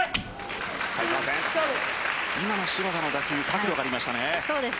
今の芝田の打球角度がありましたね。